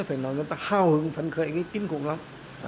phải nói người ta hào hứng phân khởi kinh khủng lắm